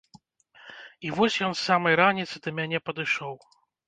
І вось ён з самай раніцы да мяне падышоў.